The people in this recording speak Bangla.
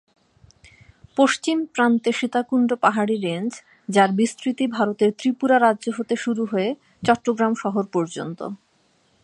পশ্চিম প্রান্তে সীতাকুণ্ড পাহাড়ী রেঞ্জ, যার বিস্তৃতি ভারতের ত্রিপুরা রাজ্য হতে শুরু হয়ে চট্টগ্রাম শহর পর্য্যন্ত।